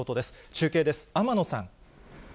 中継です、天野さん。